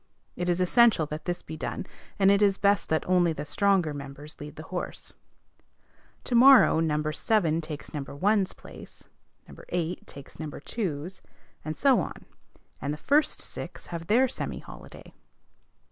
It is essential that this be done, and it is best that only the stronger members lead the horse. To morrow No. 7 takes No. 1's place, No. 8 takes No. 2's, and so on; and the first six have their semi holiday.